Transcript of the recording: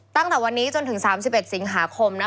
ตั้งแต่วันนี้จนถึง๓๑สิงหาคม